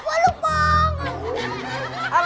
กลัวรูปมอง